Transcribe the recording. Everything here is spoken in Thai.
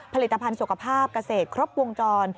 ผลิตภัณฑ์สุขภาพเกษตรครบวงจร